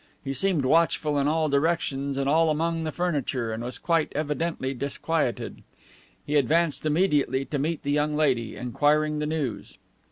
He seemed watchful in all directions and all among the furniture, and was quite evidently disquieted. He advanced immediately to meet the young lady, inquiring the news.